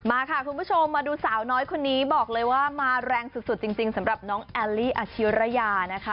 มาค่ะคุณผู้ชมมาดูสาวน้อยคนนี้บอกเลยว่ามาแรงสุดจริงสำหรับน้องแอลลี่อาชิระยานะคะ